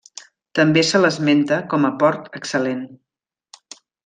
També se l'esmenta com a port excel·lent.